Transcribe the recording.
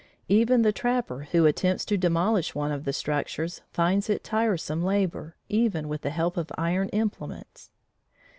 Even the trapper who attempts to demolish one of the structures finds it tiresome labor, even with the help of iron implements.